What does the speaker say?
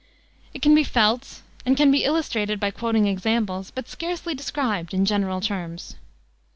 It can be felt and can be illustrated by quoting examples, but scarcely described in general terms.